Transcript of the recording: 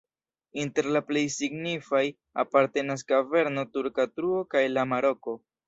Inter la plej signifaj apartenas kaverno Turka truo kaj Lama Roko.